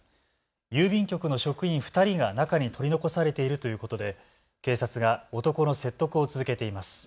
郵便局の職員２人が中に取り残されているということで警察が男の説得を続けています。